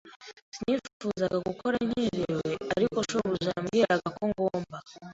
Sinifuzaga gukora nkererewe, ariko shobuja yambwiye ko ngomba.